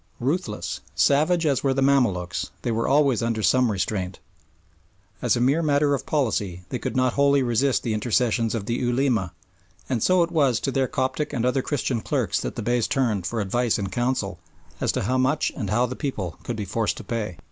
Ruthless, savage as were the Mamaluks, they were always under some restraint. As a mere matter of policy they could not wholly resist the intercessions of the Ulema, and so it was to their Coptic and other Christian clerks that the Beys turned for advice and counsel as to how much and how the people could be forced to pay.